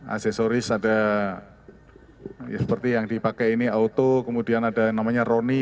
aksesoris ada seperti yang dipakai ini auto kemudian ada namanya roni